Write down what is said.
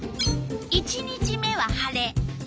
１日目は晴れ。